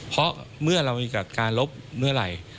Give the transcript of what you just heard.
เพราะเมื่อเรามีการลบเมื่อไหร่